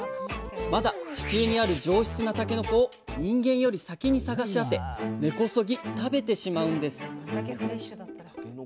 まだ地中にある上質なたけのこを人間より先に探し当て根こそぎ食べてしまうんです